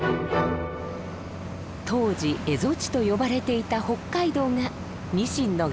当時蝦夷地と呼ばれていた北海道がにしんの漁場。